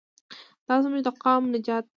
دا زموږ د قام نجات دی.